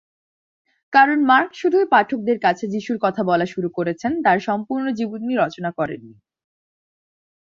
কারণ মার্ক শুধুই পাঠকদের কাছে যিশুর কথা বলা শুরু করেছেন, তাঁর সম্পূর্ণ জীবনী রচনা করেননি।